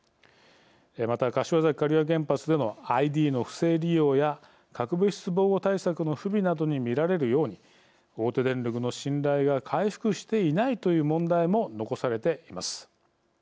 また、柏崎刈羽原発でのＩＤの不正利用や核物質防護対策の不備などに見られるように大手電力の信頼が回復していないという問題も残されています。